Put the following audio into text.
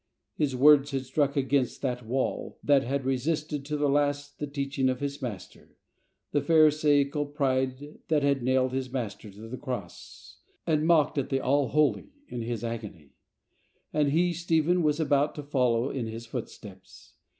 His words had struck against that w'all that had resisted to the last the teaching of his Master — the pharisaical pride that had nailed his Master to the Cross, and mocked at the All Holy in His agony. And he, Stephen, was about to follow in His footsteps.